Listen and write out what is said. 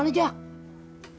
bungkus aja ji